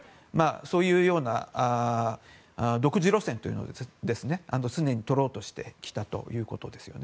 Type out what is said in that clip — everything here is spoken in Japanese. そういうような独自路線を常にとろうとしてきたということです。